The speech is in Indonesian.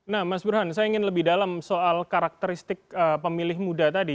nah mas burhan saya ingin lebih dalam soal karakteristik pemilih muda tadi